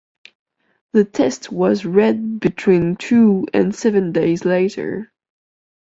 The test was read between two and seven days later.